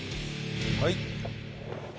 はい。